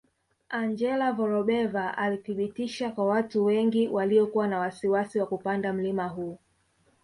Angela Vorobeva alithibitisha kwa watu wengi waliokuwa na wasiwasi wa kupanda mlima huu